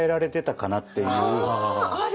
ある！